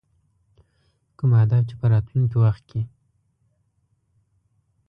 کوم اهداف چې په راتلونکي وخت کې.